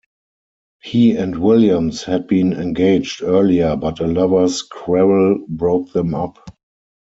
He and Williams had been engaged earlier but a lover's quarrel broke them up.